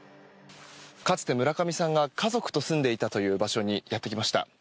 かつて村上さんが家族と住んでいたという場所にやってきました。